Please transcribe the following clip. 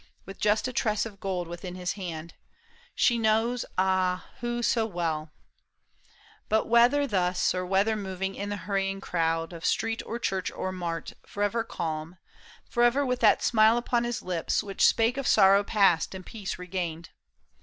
With just a tress of gold within his hand —. She knows, ah, who so well ! But whether thus, Or whether moving in the hurrying crowd Of street or church or mart, forever calm. Forever with that smile upon his lips Which spake of sorrow past and peace regained.